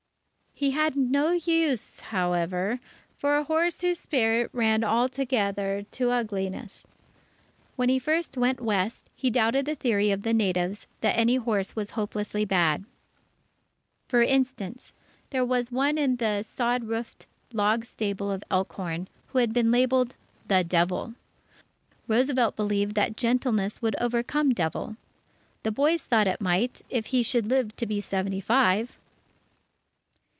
He had no use, however, for a horse whose spirit ran altogether to ugliness. When he first went West, he doubted the theory of the natives that any horse was hopelessly bad. For instance, there was one in the sod roofed log stable of Elkhorn, who had been labelled The Devil. Roosevelt believed that gentleness would overcome Devil. The boys thought it might, if he should live to be seventy five.